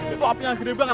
itu api yang gede banget